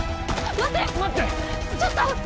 待って！